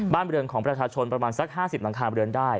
บริเวณของประชาชนประมาณสัก๕๐หลังคาเรือนได้